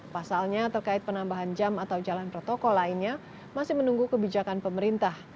pasalnya terkait penambahan jam atau jalan protokol lainnya masih menunggu kebijakan pemerintah